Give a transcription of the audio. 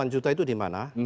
delapan juta itu di mana